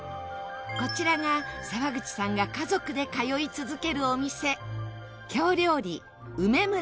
こちらが沢口さんが家族で通い続けるお店。